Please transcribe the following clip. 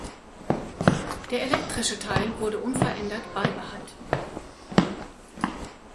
Der elektrische Teil wurde unverändert beibehalten.